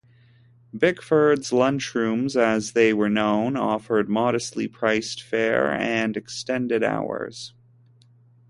Bickford's "lunchrooms," as they were known, offered modestly priced fare and extended hours.